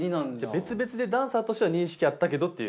別々でダンサーとしては認識あったけどっていう。